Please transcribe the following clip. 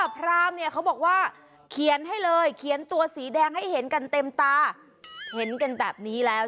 พรามเนี่ยเขาบอกว่าเขียนให้เลยเขียนตัวสีแดงให้เห็นกันเต็มตาเห็นกันแบบนี้แล้ว